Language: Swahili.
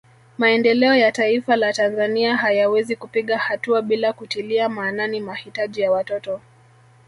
Maendeleo ya Taifa la Tanzania hayawezi kupiga hatua bila kutilia maanani mahitaji ya watoto